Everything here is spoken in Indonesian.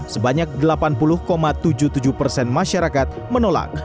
sebanyak delapan puluh tujuh puluh tujuh persen masyarakat menolak